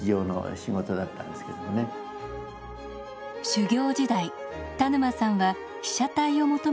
修業時代田沼さんは被写体を求めて